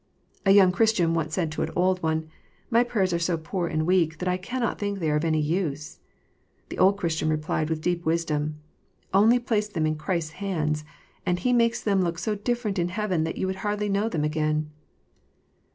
A young Christian once said to an old one, " My prayers are so poor and weak, that I cannot think they are of any use." The old Christian replied, with deep wisdom, " Only place them in Christ s hands, and He makes them look so different in heaven that you would hardly know them again."